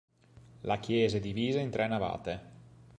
La chiesa è divisa in tre navate.